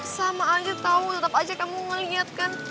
sama aja tahu tetap aja kamu ngeliat kan